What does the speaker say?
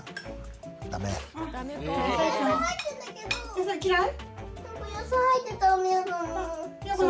野菜嫌い？